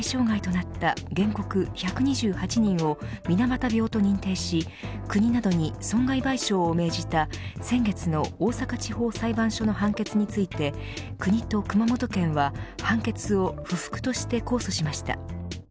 水俣病特別措置法の対象外となった原告１２８人を水俣病と認定し国などに損害賠償を命じた先月の大阪地方裁判所の判決について国と熊本県は判決を不服として控訴しました。